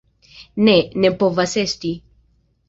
Ne, ne povas esti!